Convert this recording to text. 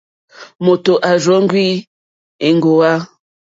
Mòtò à rzóŋwí èŋɡòwá.